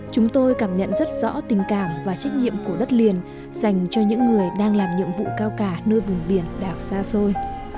chúng tôi cảm nhận rất rõ tình cảm và trách nhiệm của đất liền dành cho những người đang làm nhiệm vụ cao cả nơi vùng biển đảo xa xôi